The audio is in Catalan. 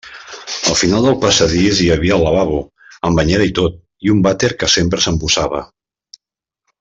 Al final del passadís hi havia el lavabo, amb banyera i tot, i un vàter que sempre s'embossava.